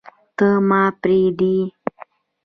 ته، ما پریږدې